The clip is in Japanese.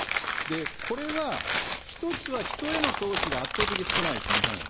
これは一つは、人への投資が圧倒的に少ないです、日本は。